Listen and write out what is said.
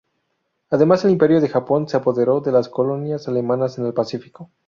Además el Imperio de Japón se apoderó de las colonias alemanas en el Pacífico.